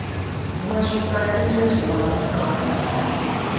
Vo şsuixete ççıg şıbğet'ısığa?